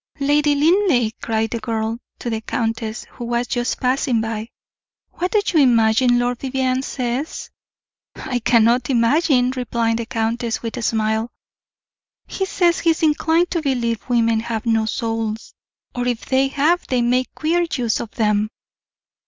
"Lady Linleigh!" cried the girl, to the countess, who was just passing by, "what do you imagine Lord Vivianne says?" "I cannot imagine," replied the countess, with a smile. "He says he is inclined to believe women have no souls; or, if they have, they make queer use of them."